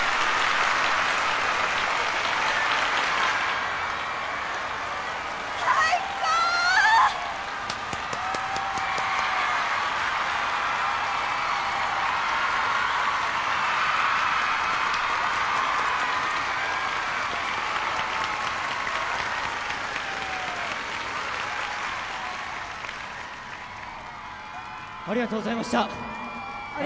ありがとうございましたっ